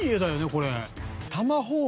これ。